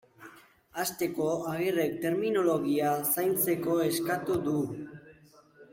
Hasteko, Agirrek terminologia zaintzeko eskatu du.